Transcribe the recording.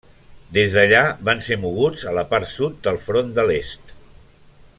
Des d’allà van ser moguts a la part sud del front de l’est.